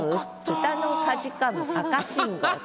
歌のかじかむ赤信号」と。